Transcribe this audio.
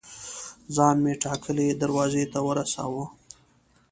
ځان مې ټاکلي دروازې ته ورساوه.